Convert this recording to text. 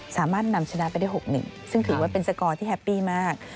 สามารถนำชนะไปได้๖๑ซึ่งถือว่าเป็นสกอร์ที่แฮปปี้มาก